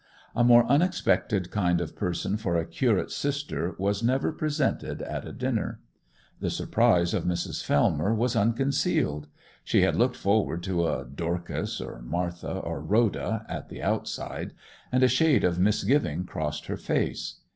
A more unexpected kind of person for a curate's sister was never presented at a dinner. The surprise of Mrs. Fellmer was unconcealed. She had looked forward to a Dorcas, or Martha, or Rhoda at the outside, and a shade of misgiving crossed her face.